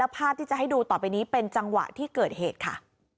ภาพที่จะให้ดูต่อไปนี้เป็นจังหวะที่เกิดเหตุค่ะ